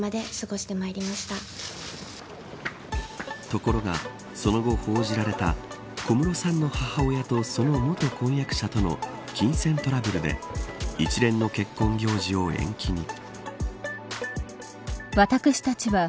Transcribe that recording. ところが、その後報じられた小室さんの母親とその元婚約者との金銭トラブルで一連の結婚行事を延期に。